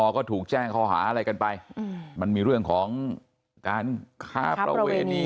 ก็ถูกแจ้งข้อหาอะไรกันไปมันมีเรื่องของการฆ่าประเวณี